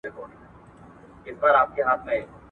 کله به نړیواله ټولنه نړیوال بانک تایید کړي؟